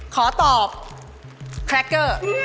ขอต่อแคร็กเกอร์